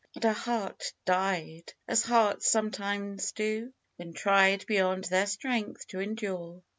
And her heart died, as hearts sometimes do, when tried beyond their strength to endure.